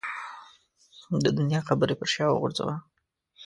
د دنیا خبرې پر شا وغورځوه.